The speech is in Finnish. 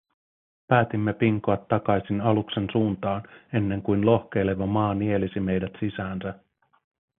Päätimme pinkoa takaisin aluksen suuntaan, ennen kuin lohkeileva maa nielisi meidät sisäänsä.